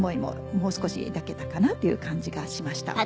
もう少し抱けたかなっていう感じがしました。